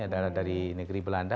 ada dari negeri belanda